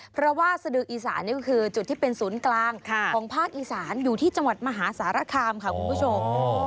เพราะว่าสดืออีสานนี่ก็คือจุดที่เป็นศูนย์กลางของภาคอีสานอยู่ที่จังหวัดมหาสารคามค่ะคุณผู้ชม